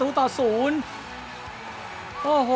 สวัสดีครับ